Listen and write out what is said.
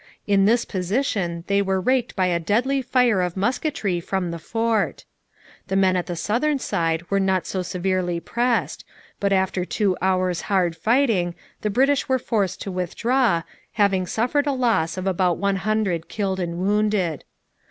In this position they were raked by a deadly fire of musketry from the fort. The men at the southern side were not so severely pressed; but after two hours' hard fighting the British were forced to withdraw, having suffered a loss of about one hundred killed and wounded.